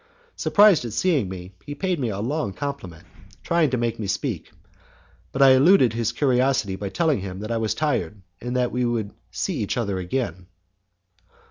Surprised at seeing me, he paid me a long compliment, trying to make me speak, but I eluded his curiosity by telling him that I was tired, and that we would see each other again.